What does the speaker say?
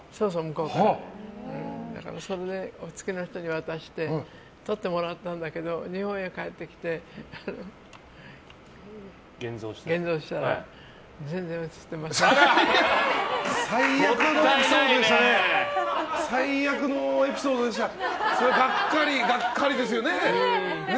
だから、それでおつきの人に渡して撮ってもらったんだけど日本へ帰ってきて、現像したらもったいないですね！